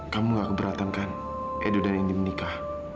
kamu gak keberatan kan edu dan indi menikah